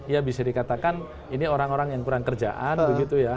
ya bisa dikatakan ini orang orang yang kurang kerjaan begitu ya